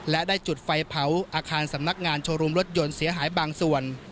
และได้จุดไฟเผาอาคารสำนักงานโชว์รูมรถยนต์เสียหายบางส่วน